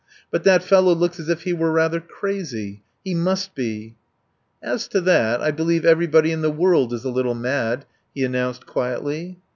"But that fellow looks as if he were rather crazy. He must be." "As to that, I believe everybody in the world is a little mad," he announced quietly.